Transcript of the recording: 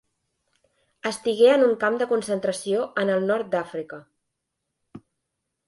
Estigué en un camp de concentració en el nord d’Àfrica.